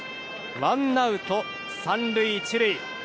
ワンアウト３塁１塁。